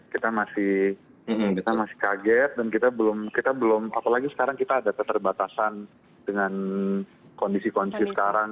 kita masih kaget dan kita belum apalagi sekarang kita ada keterbatasan dengan kondisi kondisi sekarang